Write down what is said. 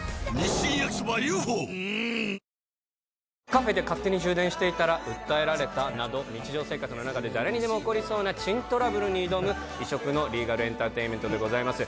「カフェで勝手に充電していたら訴えられた」など日常生活の中で誰にでも起こりそうな珍トラブルに挑む異色のリーガル・エンターテインメントでございます